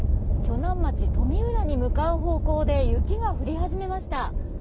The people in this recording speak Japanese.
鋸南町に向かう方向で雪が降り始めました。